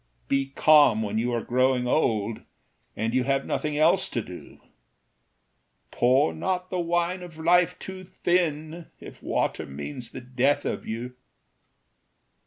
"Be calm when you are growing old And you have nothing else to do; Pour not the wine of life too thin If water means the death of you.